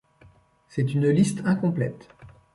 C'est une liste incomplète.